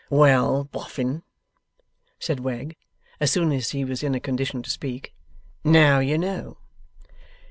'Well, Boffin!' said Wegg, as soon as he was in a condition to speak. 'Now, you know.